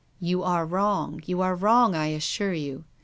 " You are wrong. You are wrong, I assure you.